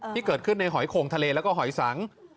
ที่เกิดขึ้นในหอยโข่งทะเลแล้วก็หอยสัง